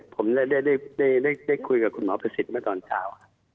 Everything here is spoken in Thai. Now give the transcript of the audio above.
ผมได้คุยกับคุณหมอประสิทธิ์เมื่อตอนเช้า